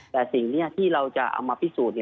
แต่สิ่งนี้ที่เราจะเอามาพิสูจน์